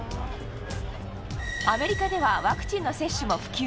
アメリカではワクチンの接種も普及。